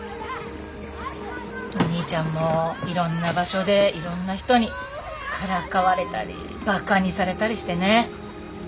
お兄ちゃんもいろんな場所でいろんな人にからかわれたりバカにされたりしてね。